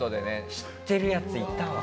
知ってるヤツいたわ。